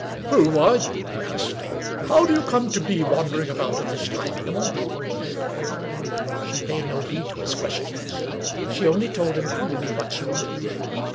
"Who are you?" he asked. " How do you come to be wandering about at this time in the morning?" She paid no heed to his questions. She only told him coolly what she wanted.